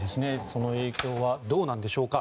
その影響はどうなんでしょうか。